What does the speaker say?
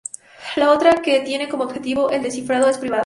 La otra, que tiene como objetivo el descifrado, es privada.